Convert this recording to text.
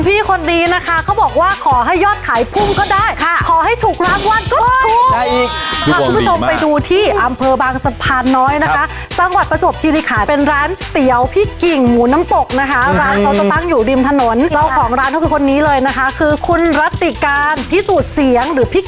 พอในความสุดพระพันล์เนี่ย